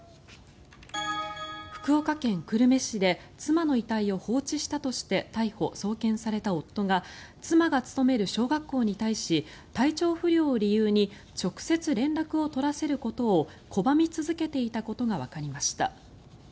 福岡県久留米市で妻の遺体を放置したとして逮捕・送検された夫が妻が勤める小学校に対し体調不良を理由に直接連絡を取らせることを拒み続けていたことがわかりました。